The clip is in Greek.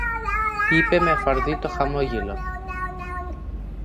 είπε με το φαρδύ του χαμόγελο